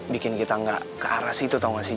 bikin kita gak kearas itu tau gak sih